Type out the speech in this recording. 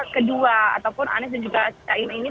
kedua ataupun anies dan juga caimin ini